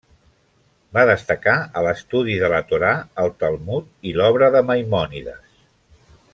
Va destacar a l'estudi de la Torà, el Talmud i l'obra de Maimònides.